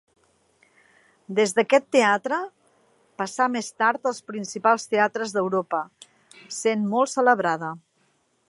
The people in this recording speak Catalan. Des d'aquest teatre passà més tard als principals teatres d'Europa, sent molt celebrada.